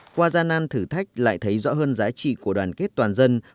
qua gian nan thử thách lại thấy rõ hơn giá trị của đoàn kết toàn dân